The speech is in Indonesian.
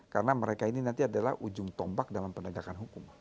karena mereka ini nanti adalah ujung tombak dalam penegakan hukum